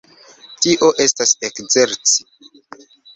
Tio estas ekzerci.